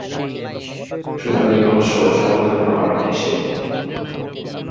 সুতরাং এই রহস্য সমাধানের ভার নেয় সে।